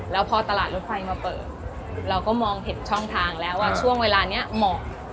แล้วพอตลาดรถไฟมาเปิดเราก็มองเห็นช่องทางแล้วว่าช่วงเวลานี้เหมาะ